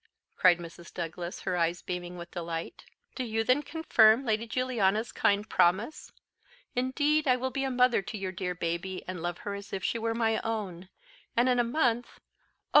cried Mrs. Douglas, her eyes beaming with delight, "do you then confirm Lady Juliana's kind promise? Indeed I will be a mother to your dear baby, and love her as if she were my own; and in a month oh!